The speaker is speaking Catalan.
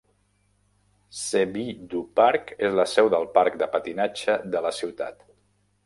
Cevie Due Park és la seu del parc de patinatge de la ciutat.